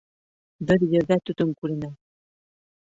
Бер ерҙә төтөн күренә.